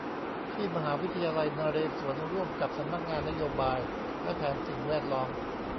ที่มหาวิทยาลัยนเรศวรร่วมกับสำนักงานนโยบายและแผนสิ่งแวดล้อม